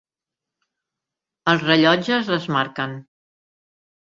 Els rellotges les marquen.